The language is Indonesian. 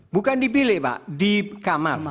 bukan dipilih pak di kamar